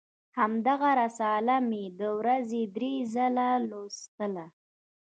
همدغه رساله مې د ورځې درې ځله لوستله.